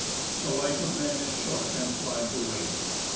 _The life of man is short and flies away.